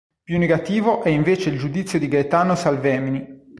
Più negativo è invece il giudizio di Gaetano Salvemini.